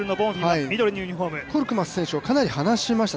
コークマズ選手をかなり離しました。